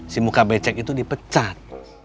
si muka becek itu dipecat